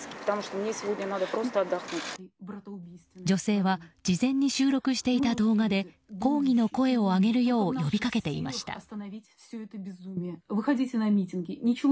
女性は事前に収録していた動画で抗議の声を上げるよう呼びかけていました。